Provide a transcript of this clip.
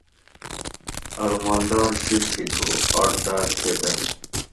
ارو مالدار شِیٹ شی تھو اڑ تاۤس کہ دہ